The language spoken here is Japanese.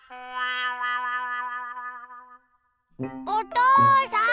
おとうさん！